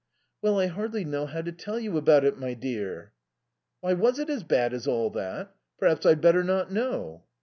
"Well, I hardly know how to tell you about it, my dear." "Why, was it as bad as all that? Perhaps I'd better not know."